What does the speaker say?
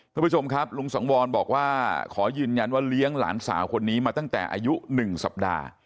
คุณผู้ชมครับลุงสังวรบอกว่าขอยืนยันว่าเลี้ยงหลานสาวคนนี้มาตั้งแต่อายุ๑สัปดาห์